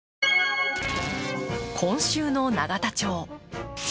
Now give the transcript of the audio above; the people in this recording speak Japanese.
今週の永田町。